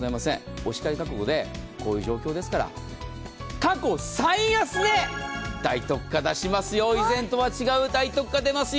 おしかり覚悟で、こういう状況ですから、過去最安値、大特価出しますよ、以前とは違う大特価出ますよ。